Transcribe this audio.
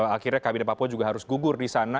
akhirnya kabinet papua juga harus gugur di sana